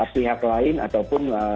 pihak lain ataupun